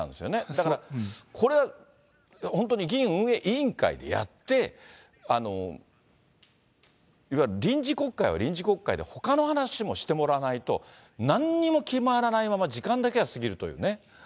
だから、これは本当に議院運営委員会でやって、いわゆる臨時国会は臨時国会でほかの話もしてもらわないと、なんにも決まらないまま、時間だけが過ぎるというね。